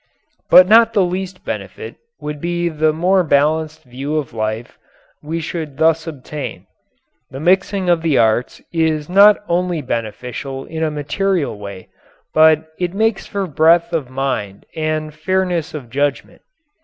But not the least benefit would be the more balanced view of life we should thus obtain. The mixing of the arts is not only beneficial in a material way, but it makes for breadth of mind and fairness of judgment.